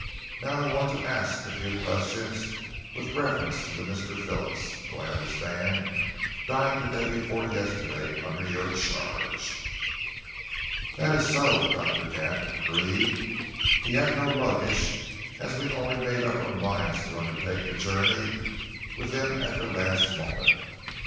"Now I want to ask a few questions with reference to the Mr. Phillips who I understand died the day before yesterday under your charge." "That is so," Doctor Gant agreed. "He had no luggage, as we only made up our minds to undertake the journey with him at the last moment.